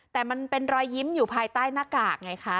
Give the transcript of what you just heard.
แต่มันเป็นรอยยิ้มอยู่ภายใต้หน้ากากไงคะ